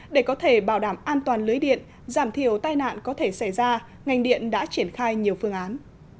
để có thể bảo đảm an toàn lưới điện giảm thiểu tai nạn có thể xảy ra ngành điện đã triển khai nhiều phương án